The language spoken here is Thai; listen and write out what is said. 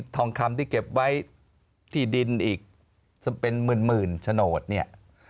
ทองคำที่เก็บไว้ที่ดินอีกเป็นหมื่นโฉนดเนี่ย